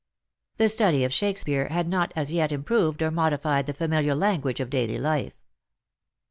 The study of Shakespeare had not as yet improved or modi fied the familiar language of daily life.